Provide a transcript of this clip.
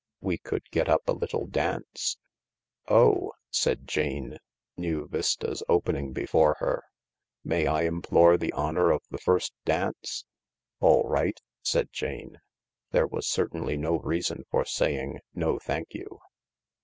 We could get up a little dance/' " Oh! " said Jane, new vistas opening before her, " May I implore the honour of the first dance ?" "All right," said Jane, There was certainly no reason for saying, " No, thank you."